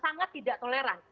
sangat tidak toleran